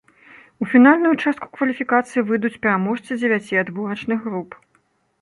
У фінальную частку кваліфікацыі выйдуць пераможцы дзевяці адборачных груп.